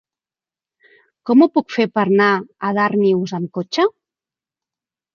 Com ho puc fer per anar a Darnius amb cotxe?